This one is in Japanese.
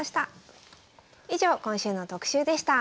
以上今週の特集でした。